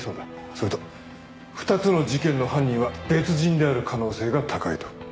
それと２つの事件の犯人は別人である可能性が高いと。